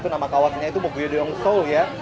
nama kawasannya itu mugyodong seoul ya